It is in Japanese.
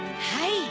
はい。